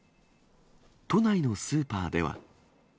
都内のスーパーでは。